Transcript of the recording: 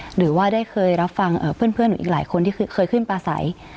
หรือว่าได้เคยรับฟังเพื่อนหนูอีกหลายคนที่เคยขึ้นปลาใส